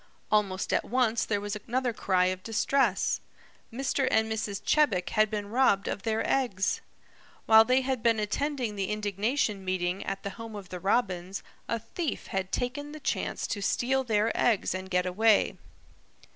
Almost at once there was another cry of distress. Mr. and Mrs. Chebec had been robbed of their eggs! While they had been attending the indignation meeting at the home of the Robins, a thief had taken the chance to steal their eggs and get away.